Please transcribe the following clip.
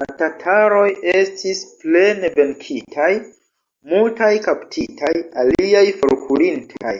La tataroj estis plene venkitaj, multaj kaptitaj, aliaj forkurintaj.